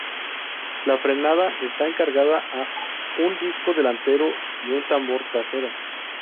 La frenada está encargada a un disco delantero y un tambor trasero.